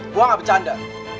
gue gak bercanda